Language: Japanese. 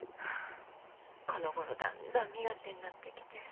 このごろだんだん身勝手になってきて。